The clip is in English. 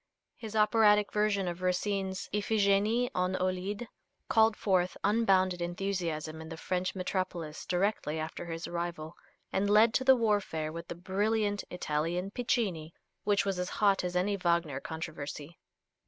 His operatic version of Racine's "Iphigènie en Aulide" called forth unbounded enthusiasm in the French metropolis directly after his arrival, and led to the warfare with the brilliant Italian Piccini, which was as hot as any Wagner controversy.